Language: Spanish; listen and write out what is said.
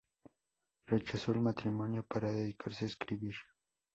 Rechazó el matrimonio para dedicarse a escribir.